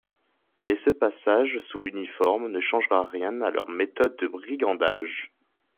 Mais ce passage sous l'uniforme ne changera rien à leurs méthodes de brigandage.